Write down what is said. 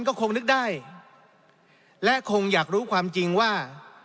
ก็คงนึกได้และคงอยากรู้ความจริงว่า